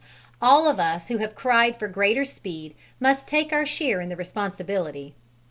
All of us who have cried for greater speed must take our share in the responsibility.